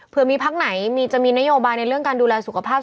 เพื่อมีพักไหนจะมีนโยบายในเรื่องการดูแลสุขภาพ